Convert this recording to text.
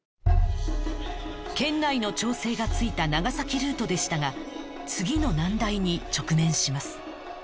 県内の調整がついた長崎ルートでしたが次の難題に直面します